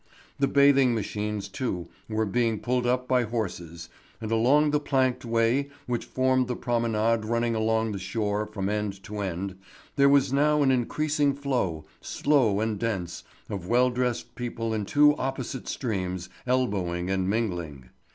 The bathing machines too were being pulled up by horses, and along the planked way which formed the promenade running along the shore from end to end, there was now an increasing flow, slow and dense, of well dressed people in two opposite streams elbowing and mingling.